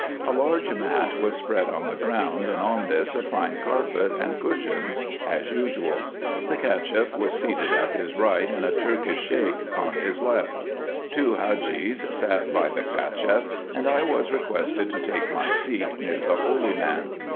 A large mat was spread on the ground, and on this a fine carpet, and cushions, as usual. The Cacheff was seated at his right, and a Turkish Sheik on his left. Two Hadgees sat by the Cacheff, and I was requested to take my seat near the Holy man.